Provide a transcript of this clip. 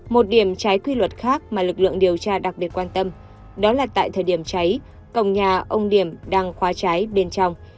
một điểm trái quy luật khác mà lực lượng điều tra đặc biệt quan tâm đó là tại thời điểm cháy cổng nhà ông điểm đang khóa trái bên trong